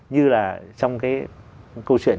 như là trong cái câu chuyện